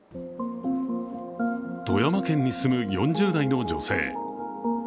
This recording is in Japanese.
富山県に住む４０代の女性。